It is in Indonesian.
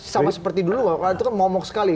sama seperti dulu itu kan momok sekali